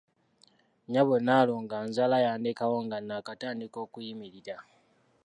Nnyabo nnaalongo anzaala yandekawo nga n'akatandika okuyimirira.